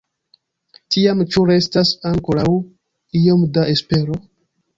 Tiam ĉu restas ankoraŭ iom da espero?